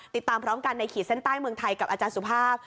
ติดตามพร้อมกันในขีดเส้นใต้เมืองไทยกับอาจารย์สุภาพ